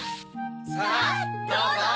さぁどうぞ！